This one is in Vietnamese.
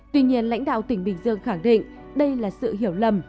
tuy nhiên lãnh đạo tỉnh bình dương khẳng định đây là sự hiểu lầm